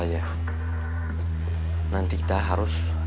iya kan kamu yang haus